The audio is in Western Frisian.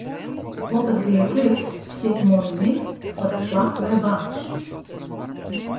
Op it Reaklif stiet in monumint foar de slach by Warns.